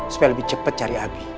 supaya lebih cepat cari abi